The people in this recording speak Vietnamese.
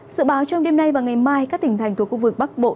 sự báo trong đêm nay và ngày mai các tỉnh thành thuộc khu vực bắc bộ